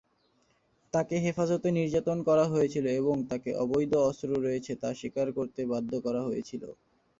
তাকে হেফাজতে নির্যাতন করা হয়েছিল এবং তাকে অবৈধ অস্ত্র রয়েছে তা স্বীকার করতে বাধ্য করা হয়েছিল।